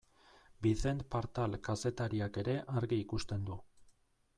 Vicent Partal kazetariak ere argi ikusten du.